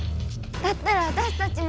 だったらわたしたちも。